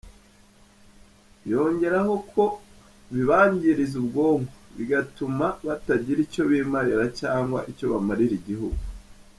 Yongeyeho ko bibangiriza ubwonko, bigatuma batagira icyo bimarira cyangwa icyo bamarira igihugu.